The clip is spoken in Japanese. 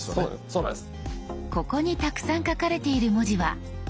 そうなんです。